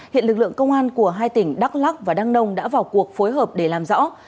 hiện lực lượng công an của hai tỉnh đắk lắc và đăng nông đã vào cuộc phối hợp để làm rõ